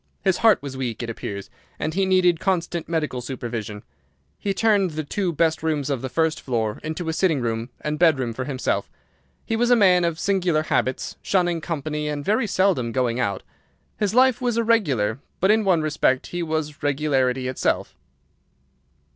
His heart was weak, it appears, and he needed constant medical supervision. He turned the two best rooms of the first floor into a sitting room and bedroom for himself. He was a man of singular habits, shunning company and very seldom going out. His life was irregular, but in one respect he was regularity itself.